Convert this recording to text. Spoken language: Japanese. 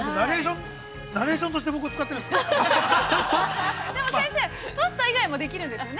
◆ナレーションとして、僕を使っているんですか？